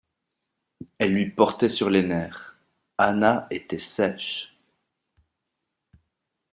elle lui portait sur les nerfs. Anna était sèche